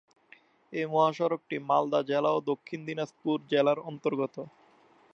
এই মহাসড়কটি মালদা জেলা ও দক্ষিণ দিনাজপুর জেলার অন্তর্গত।